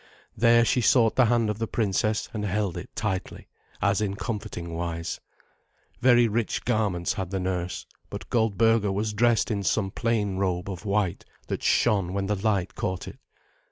There she sought the hand of the princess, and held it tightly, as in comforting wise. Very rich garments had the nurse, but Goldberga was dressed in some plain robe of white that shone when the light caught it.